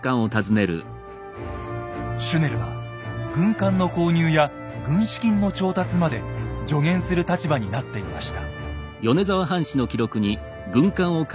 シュネルは軍艦の購入や軍資金の調達まで助言する立場になっていました。